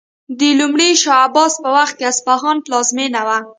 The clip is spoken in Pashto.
د لومړي شاه عباس په وخت اصفهان پلازمینه و.